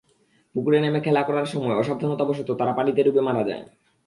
পুকুরে নেমে খেলা করার সময় অসাবধানতাবশত তারা পানিতে ডুবে মারা যায়।